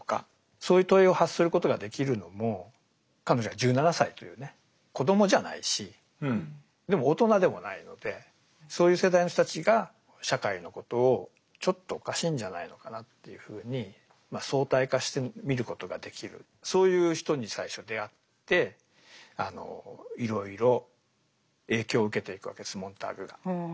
そういう問いを発することができるのも彼女が１７歳というね子どもじゃないしでも大人でもないのでそういう世代の人たちが社会のことをちょっとおかしいんじゃないのかなっていうふうにまあ相対化して見ることができるそういう人に最初出会っていろいろ影響を受けていくわけですモンターグが。